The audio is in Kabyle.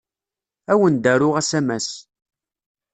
Ad awen-d-aruɣ asamas.